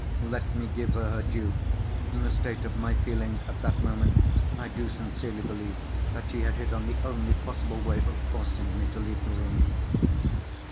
Let me give her her due. In the state of my feelings at that moment, I do sincerely believe that she had hit on the only possible way of forcing me to leave the room.